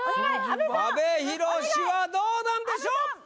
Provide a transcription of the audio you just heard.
阿部寛はどうなんでしょう？